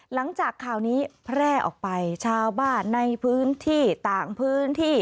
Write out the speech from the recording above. หลังจากข่าวนี้แพร่ออกไปชาวบ้านในพื้นที่ต่างพื้นที่